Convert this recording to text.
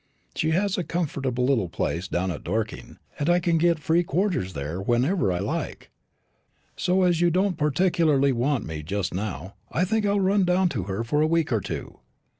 She has a comfortable little place down at Dorking, and I can get free quarters there whenever I like; so as you don't particularly want me just now, I think I'll run down to her for a week or two."